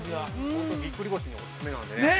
◆本当に、ぎっくり腰におすすめなんでね。